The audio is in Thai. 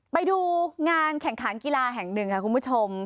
ไปดูงานแข่งขันกีฬาแห่งหนึ่งค่ะคุณผู้ชม